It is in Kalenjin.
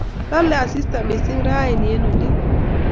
Lole asista missing raaini en oli.